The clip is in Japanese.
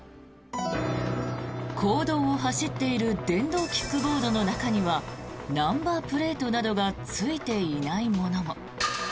公道を走っている電動キックボードの中にはナンバープレートなどがついていないものも。